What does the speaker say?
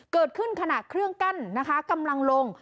เกิดขึ้นขณะเครื่องกั้นนะคะกำลังลง